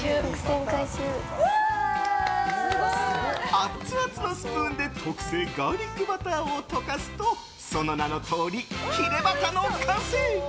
アツアツのスプーンで特製ガーリックバターを溶かすとその名の通りヒレバタの完成！